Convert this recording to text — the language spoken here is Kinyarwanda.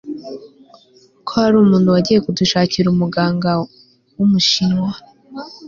ko hari umuntu wagiye kudushakira umuganga wumushinwa